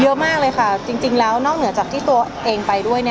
เยอะมากเลยค่ะจริงแล้วนอกเหนือจากที่ตัวเองไปด้วย